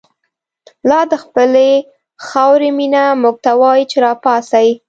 لادخپلی خاوری مینه، موږ ته وایی چه راپاڅئ